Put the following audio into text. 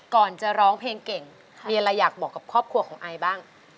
ก่อนจะร้องเพลงเก่งมีอะไรอยากบอกกับครอบครัวของไอบ้าง